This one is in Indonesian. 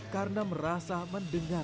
karena merasa hampir tidak bisa berubah